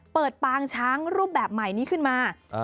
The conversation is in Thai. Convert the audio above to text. ปางช้างรูปแบบใหม่นี้ขึ้นมา